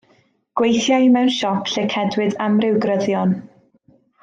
Gweithiai mewn siop lle cedwid amryw gryddion.